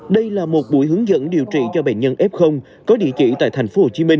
đây là một buổi hướng dẫn điều trị cho bệnh nhân f có địa chỉ tại thành phố hồ chí minh